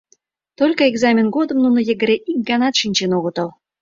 Только экзамен годым нуно йыгыре ик ганат шинчен огытыл.